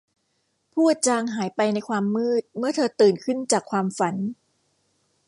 ภูติจางหายไปในความมืดเมื่อเธอตื่นขึ้นจากความฝัน